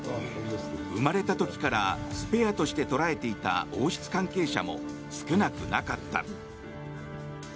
生まれた時からスペアとして捉えていた王室関係者も少なくなかった。